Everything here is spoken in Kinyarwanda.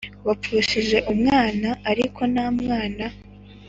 wapfushije umwana Ariko nta mwana